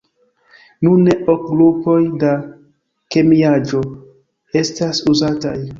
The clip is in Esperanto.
Nune ok grupoj da kemiaĵo estas uzataj.